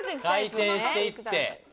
回転していって。